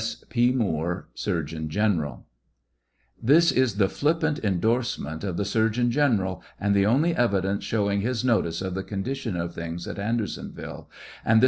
S. P. MOORE, Surgeon General. This is the flippant iudorsement of the. surgeon general, and the only evidence showing his notice of the condition of things at Andersonville, and this i.'